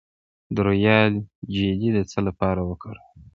د رویال جیلی د څه لپاره وکاروم؟